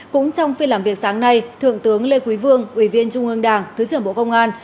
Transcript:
cũng trong phiên làm việc sáng nay thượng tướng lê quý vương ủy viên trung ương đảng thứ trưởng bộ công an